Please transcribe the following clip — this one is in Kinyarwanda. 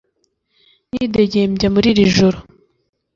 nidegembya muri iri joro